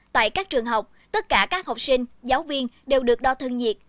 tại các trường học tất cả các học sinh giáo viên đều được đo thân nhiệt